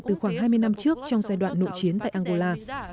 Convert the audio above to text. từ khoảng hai mươi năm trước trong giai đoạn nội chiến tại angola